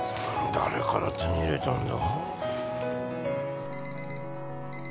誰から手に入れたんだ？